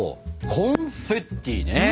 コンフェッティね！